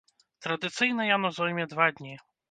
Традыцыйна яно зойме два дні.